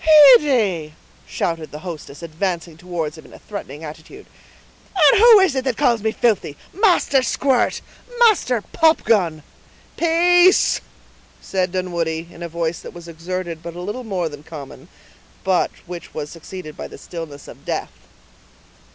"Heyday!" shouted the hostess, advancing towards him in a threatening attitude; "and who is it that calls me filthy? Master Squirt! Master Popgun—" "Peace!" said Dunwoodie, in a voice that was exerted but a little more than common, but which was succeeded by the stillness of death.